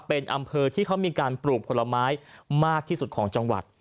เป็นอำเภอที่เขามีการปลูกผลไม้มากที่สุดของจังหวัด